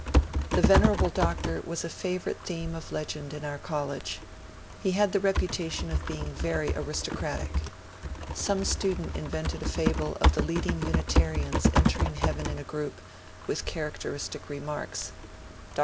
The venerable doctor was a favourite theme of legend in our college. He had the reputation of being very aristocratic. Some student invented a fable of the leading Unitarians en tering heaven in a group, with characteristic remarks. Dr.